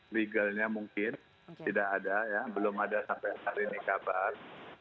legalnya mungkin tidak ada ya belum ada sampai hari ini kabar